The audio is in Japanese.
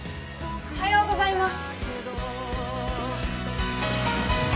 おはようございます